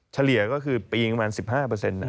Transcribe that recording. เฉลี่ยก็คือปีประมาณ๑๕